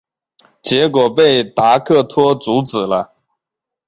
结果被达克托阻止了。